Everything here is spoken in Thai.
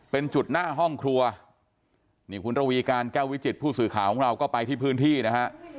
เป็นจุดหน้าห้องครัวนี่คุณระวีการแก้ววิจิตผู้สื่อข่าวของเราก็ไปที่พื้นที่นะฮะ